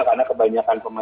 karena kebanyakan pemain